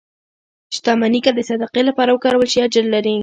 • شتمني که د صدقې لپاره وکارول شي، اجر لري.